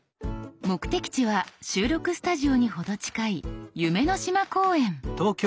目的地は収録スタジオに程近い夢の島公園。